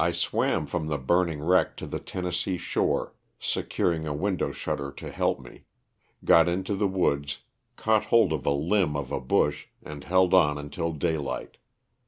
I swam from the burning wreck to the Tennessee shore securing a window shutter to help me; got into the woods, caught hold of a limb of a bush, and held on until daylight.